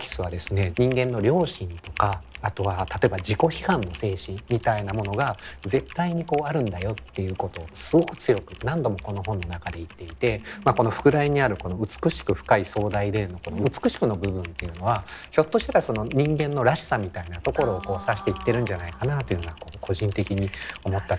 人間の良心とかあとは例えば自己批判の精神みたいなものが絶対にこうあるんだよっていうことをすごく強く何度もこの本の中で言っていてこの副題にあるこの「美しく、深く、壮大で」のこの「美しく」の部分っていうのはひょっとしたら人間のらしさみたいなところを指して言ってるんじゃないかなというような個人的に思ったところですね。